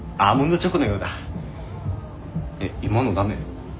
えっ今のダメ？